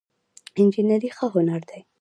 انجينري ښه هنر دی